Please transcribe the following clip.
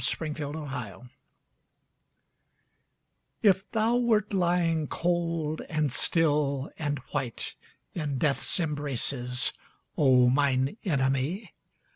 RECONCILIATION If thou wert lying cold and still and white In death's embraces, O mine enemy